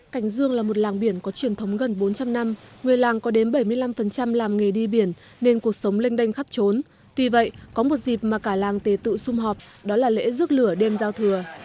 cảnh dương là một làng biển có truyền thống gần bốn trăm linh năm người làng có đến bảy mươi năm làm nghề đi biển nên cuộc sống lênh đênh khắp trốn tuy vậy có một dịp mà cả làng tề tự xung họp đó là lễ rước lửa đêm giao thừa